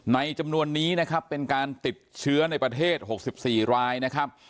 จำนวนนี้นะครับเป็นการติดเชื้อในประเทศ๖๔รายนะครับ